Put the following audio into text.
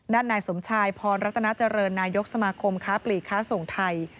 นายสมชายพรรัตนาเจริญนายกสมาคมค้าปลีกค้าส่งไทย